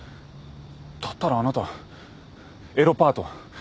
だったらあなたエロパート。